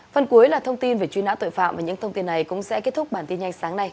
phần cuối là thông tin về truy nã tội phạm và những thông tin này cũng sẽ kết thúc bản tin nhanh sáng nay